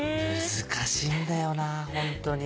難しいんだよなホントに。